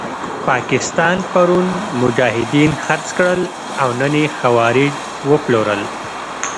پاکستان پرون مجاهدین خرڅ کړل او نن یې خوارج وپلورل.